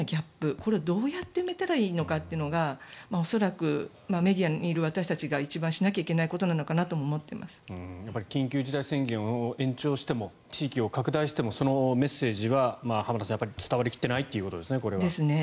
これをどうやって見たらいいのかというのが恐らく、メディアにいる私たちが一番しなくてはいけないことなのかなと緊急事態宣言を延長しても地域を拡大してもそのメッセージは伝わり切っていないということですね。